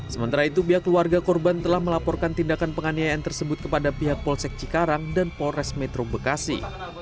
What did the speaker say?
sementara itu pihak keluarga korban telah melaporkan tindakan penganiayaan tersebut kepada pihak polsek cikarang dan polres metro bekasi